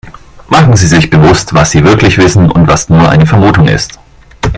Machen Sie sich bewusst, was sie wirklich wissen und was nur eine Vermutung ist.